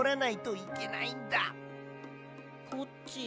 コッチ。